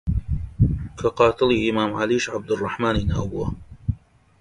کە قاتڵی ئیمام عەلیش عەبدوڕڕەحمانی ناو بووە